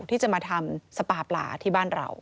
ที่จะมาทำสปาปลาที่บ้านเรา